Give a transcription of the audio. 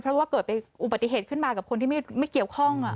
เพราะว่าเกิดเป็นอุบัติเหตุขึ้นมากับคนที่ไม่เกี่ยวข้อง